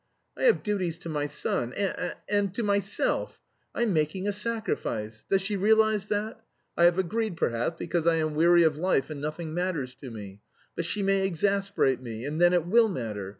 I have duties to my son and...and to myself! I'm making a sacrifice. Does she realise that? I have agreed, perhaps, because I am weary of life and nothing matters to me. But she may exasperate me, and then it will matter.